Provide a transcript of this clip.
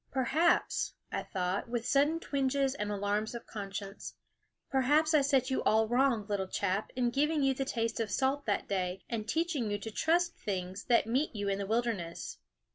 "Perhaps," I thought, with sudden twinges and alarms of conscience, "perhaps I set you all wrong, little chap, in giving you the taste of salt that day, and teaching you to trust things that meet you in the wilderness."